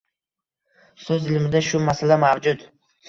So’z ilmida bu masala mavjud